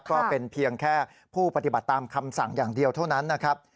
ก็เป็นเพียงแค่ผู้ปฏิบัติตามคำสั่งอย่างเดียวเท่านั้นนะครับ